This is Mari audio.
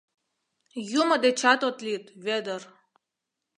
Юмо дечат от лӱд, Вӧдыр!